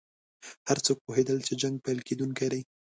هر څوک پوهېدل چې جنګ پیل کېدونکی دی.